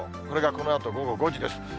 これがこのあと午後５時です。